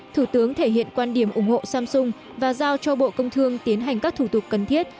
thủ tướng thể hiện quan điểm ủng hộ samsung và giao cho bộ công thương tiến hành các thủ tục cần thiết